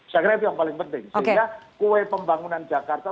saya kira itu yang paling penting sehingga kue pembangunan jakarta